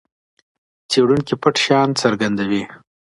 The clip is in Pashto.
څېړونکی پټ شیان څرګندوي.